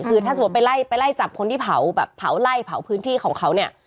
คือถ้าสมมุติไปไล่ไปไล่จับคนที่เผาแบบเผาไล่เผาพื้นที่ของเขาเนี่ย